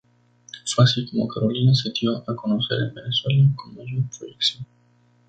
Fue así como Carolina se dio a conocer en Venezuela con mayor proyección.